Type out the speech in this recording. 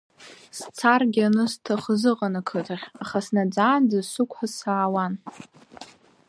Сцаргьы анысҭахыз ыҟан ақыҭахь, аха снаӡаанӡа сықәҳа саауан.